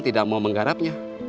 tidak mau menggarapnya